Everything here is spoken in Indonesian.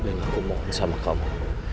dan aku mohon sama kamu